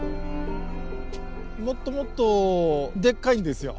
もっともっとでっかいんですよ。